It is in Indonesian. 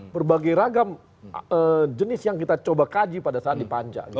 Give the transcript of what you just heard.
berbagai ragam jenis yang kita coba kaji pada saat di panca